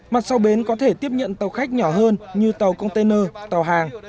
mặt sau bến có thể tiếp nhận tàu khách nhỏ hơn như tàu container tàu hàng